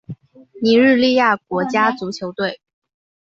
尼日利亚国家足球队